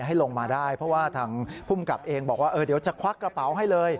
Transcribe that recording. ให้ลงมาได้เพราะว่าทางภูมิกับเองบอกว่าเดี๋ยวจะควักกระเป๋าให้เลย